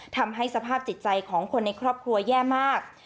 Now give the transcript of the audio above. ทำให้สภาพจิตใจของคนในครอบครัวแย่มาก